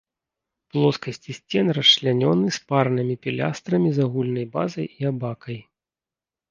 Плоскасці сцен расчлянёны спаранымі пілястрамі з агульнай базай і абакай.